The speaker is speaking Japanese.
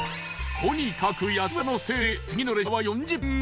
とにかく安村のせいで次の列車は４０分後。